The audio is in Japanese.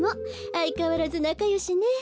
あいかわらずなかよしね。